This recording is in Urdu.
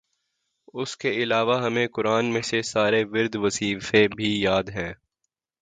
اسکے علاوہ ہمیں قرآن میں سے سارے ورد وظیفے بھی یاد ہیں